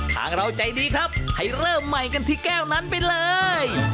ทางเราใจดีครับให้เริ่มใหม่กันที่แก้วนั้นไปเลย